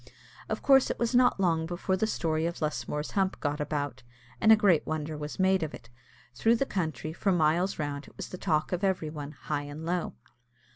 Of course it was not long before the story of Lusmore's hump got about, and a great wonder was made of it. Through the country, for miles round, it was the talk of every one, high and low.